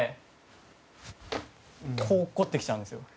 こう落っこってきちゃうんです。